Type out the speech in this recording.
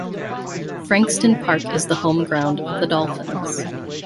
Frankston Park is the home ground of the Dolphins.